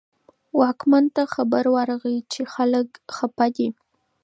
واکمن ته خبر ورغی چې خلک خپه دي.